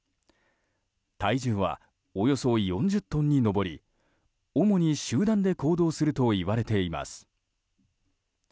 体重はおよそ４０トンに上り主に集団で行動するといわれています。